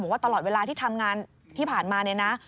ว่าตลอดเวลาที่ทำงานที่ผ่านมาเนี่ยนะ